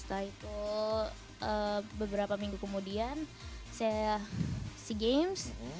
setelah itu beberapa minggu kemudian saya sea games